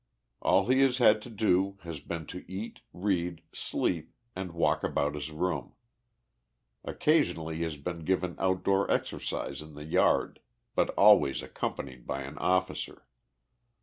All he has had to do has been to eat, read, sleep and walk about his room. Occasionally he has been given outdoor exercise in the yard, but always accompanied by an officer.